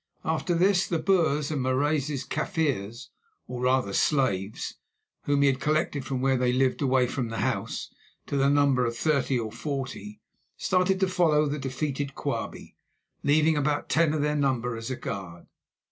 After this the Boers and Marais's Kaffirs, or rather slaves, whom he had collected from where they lived away from the house, to the number of thirty or forty, started to follow the defeated Quabie, leaving about ten of their number as a guard.